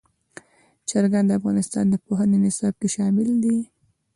چرګان د افغانستان د پوهنې نصاب کې شامل دي.